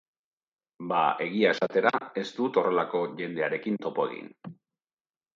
Ba, egia esatera, ez dut horrelako jendearekin topo egin.